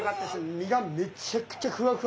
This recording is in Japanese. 身がめちゃくちゃふわふわですよね。